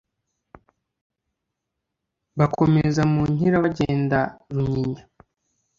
Bakomeza mu Nkira bagenda Runyinya